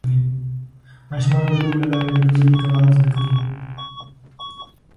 ماشومان د لوبو له لارې د ټولنې قواعد زده کوي.